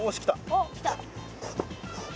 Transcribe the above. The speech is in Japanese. おっ来た。